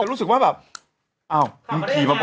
ตรงเขาอาจรู้สึกว่า